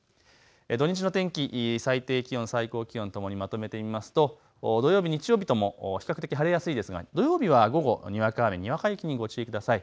土日の天気、最低気温、最高気温ともにまとめてみますと土曜日日曜日とも比較的晴れやすいですが土曜日は午後にわか雨、にわか雪にご注意ください。